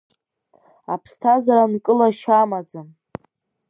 Аԥсҭазаара нкылашьа амаӡам.